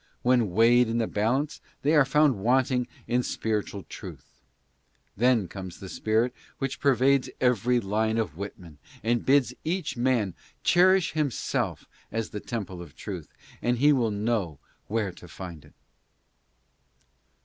When weighed in the balance they are found wanting in spiritual truth. Then comes the spirit which pervades every line of Whitman and bids each man cherish himself as the temple of truth, and he will know where to find it.